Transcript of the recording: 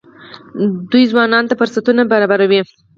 دوی ځوانانو ته فرصتونه برابروي.